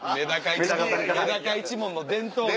めだか一門の伝統芸。